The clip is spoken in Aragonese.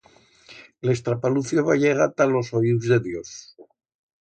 L'estrapalucio va llegar ta los oius de Dios.